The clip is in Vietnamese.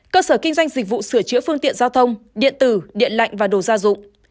cơ sở kinh doanh dịch vụ sửa chữa phương tiện giao thông điện tử điện lạnh và đồ gia dụng